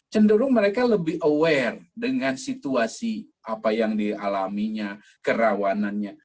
cenderung mereka lebih aware dengan situasi apa yang dialaminya kerawanannya